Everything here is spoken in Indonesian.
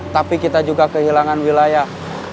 tapi kita juga kehilangan wilayah